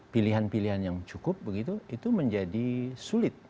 pilihan pilihan yang cukup begitu itu menjadi sulit